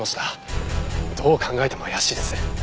どう考えても怪しいです。